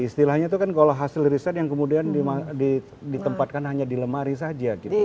istilahnya itu kan kalau hasil riset yang kemudian ditempatkan hanya di lemari saja gitu